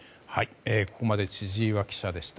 ここまで千々岩記者でした。